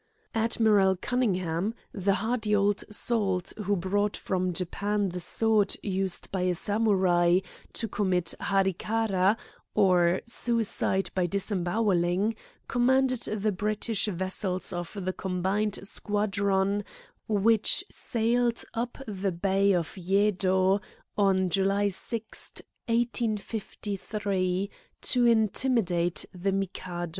Admiral Cunningham, the hardy old salt who brought from Japan the sword used by a Samurai to commit hari kara, or suicide by disembowelling, commanded the British vessels of the combined squadron which sailed up the Bay of Yedo on July 6, 1853, to intimidate the Mikado.